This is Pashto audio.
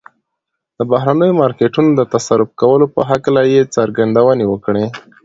د بهرنيو مارکيټونو د تصرف کولو په هکله يې څرګندونې وکړې.